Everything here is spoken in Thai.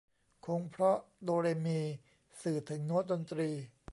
คงเพราะโดเรมี สื่อถึงโน๊ตดนตรี